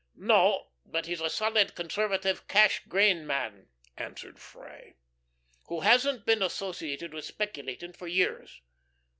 "No, but he's a solid, conservative cash grain man," answered Freye, "who hasn't been associated with speculating for years.